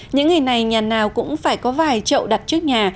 những ngày này nhà nào cũng phải có vài trậu đặt trước nhà